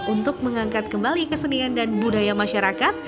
untuk mengangkat kembali kesenian dan budaya masyarakat